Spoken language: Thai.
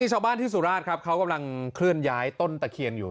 ชาวบ้านที่สุราชครับเขากำลังเคลื่อนย้ายต้นตะเคียนอยู่